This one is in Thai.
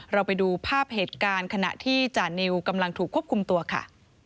เราไปดูภาพเหตุการณ์ขณะที่จานิวกำลังถูกควบคุมตัวค่ะ